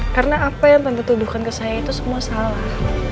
karena apa yang tante tuduhkan ke saya itu semua salah